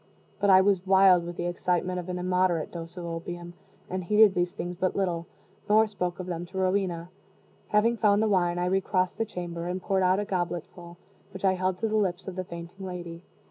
But I was wild with the excitement of an immoderate dose of opium, and heeded these things but little, nor spoke of them to Rowena. Having found the wine, I recrossed the chamber, and poured out a gobletful, which I held to the lips of the fainting lady.